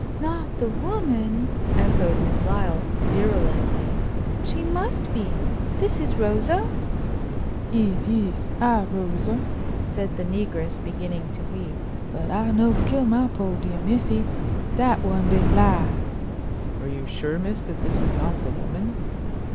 "Not the woman?" echoed Miss Lyle, virulently. "She must be! This is Rosa!" "Yis, yis! I Rosa," said the negress, beginning to weep, "but I no kill my poo' dear missy. Dat one big lie." "Are you sure, miss, that this is not the woman?"